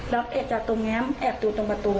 แล้วเอจจากตรงนี้แอบอยู่ตรงประตู